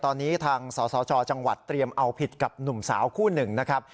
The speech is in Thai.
ตอนนี้ทางสสจจังหวัดเตรียมเอาผิดกับหนุ่มสาวคู่หนึ่งนะครับ